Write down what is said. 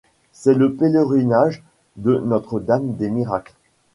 C'est le pèlerinage de Notre-Dame des Miracles.